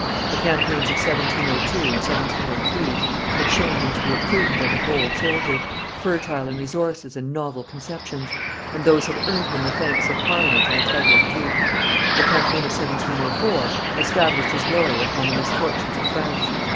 The campaigns of 1702 and 1703 had shown him to be a prudent and a bold soldier, fertile in resources and novel conceptions; and those had earned him the thanks of Parliament and the title of duke. The campaign of 1704 established his glory upon the misfortunes of France.